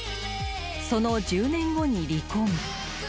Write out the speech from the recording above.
［その１０年後に離婚］